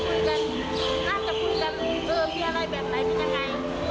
โอ๊ยเปรียงอะไรเดี๋ยวไม่รียายังไง